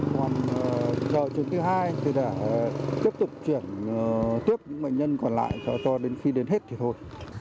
còn giờ trường thứ hai thì đã tiếp tục chuyển tiếp những bệnh nhân còn lại cho đến khi đến hết thì thôi